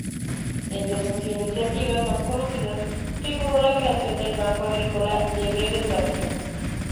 Entre sus iniciativas más conocidas figuró la creación del Banco Agrícola, de breve duración.